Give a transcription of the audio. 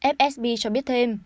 fsb cho biết thêm